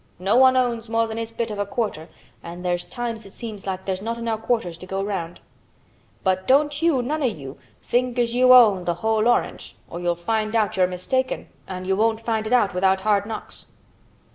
No one owns more than his bit of a quarter an' there's times it seems like there's not enow quarters to go round. But don't you—none o' you—think as you own th' whole orange or you'll find out you're mistaken, an' you won't find it out without hard knocks."